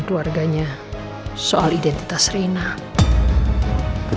silahkan kita zus visiting